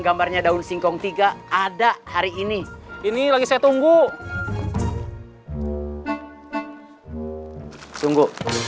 gambarnya daun singkong tiga ada hari ini ini lagi saya tunggu sungguh